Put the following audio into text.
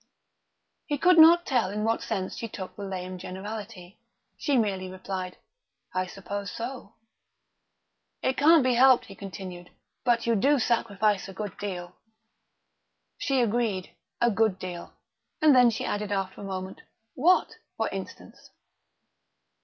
He could not tell in what sense she took the lame generality; she merely replied, "I suppose so." "It can't be helped," he continued, "but you do sacrifice a good deal." She agreed: a good deal; and then she added after a moment, "What, for instance?"